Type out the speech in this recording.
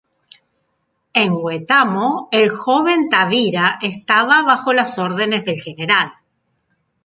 En Huetamo el joven Tavira estaba bajo las órdenes del Gral.